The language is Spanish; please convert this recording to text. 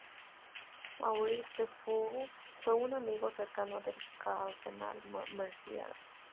Maurice De Wulf fue un amigo cercano del Cardenal Mercier.